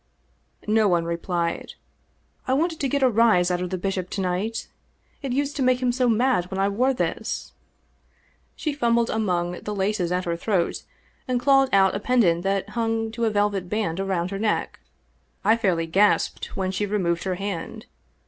No one replied. "I wanted to get a rise out of the bishop to night. It used to make him so mad when I wore this." She fimibled among the laces at her throat, and clawed out a pendant that hung to a velvet band around her neck. I fairly gasped when she removed her hand.